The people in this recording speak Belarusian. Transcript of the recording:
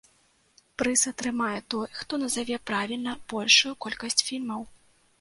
Прыз атрымае той, хто назаве правільна большую колькасць фільмаў.